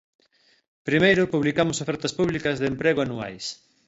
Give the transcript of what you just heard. Primeiro, publicamos ofertas públicas de emprego anuais.